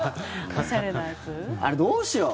あれ、どうしよう？